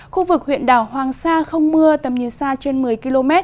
khu vực huyện đảo hoàng sa không mưa tầm nhìn xa trên một mươi km